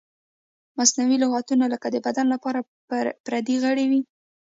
مصنوعي لغتونه لکه د بدن لپاره پردی غړی وي.